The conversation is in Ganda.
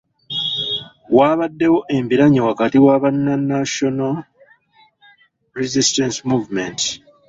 Waabaddewo embiranye wakati wa banna National Resistance Movement.